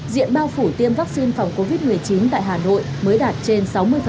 diện bao phủ tiêm vaccine phòng covid một mươi chín tại hà nội mới đạt trên sáu mươi